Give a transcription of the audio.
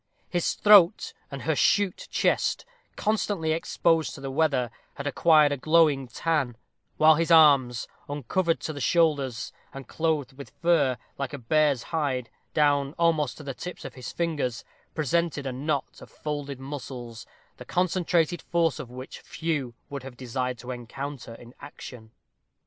His throat and hirsute chest, constantly exposed to the weather, had acquired a glowing tan, while his arms, uncovered to the shoulders, and clothed with fur, like a bear's hide, down, almost, to the tips of his fingers, presented a knot of folded muscles, the concentrated force of which few would have desired to encounter in action.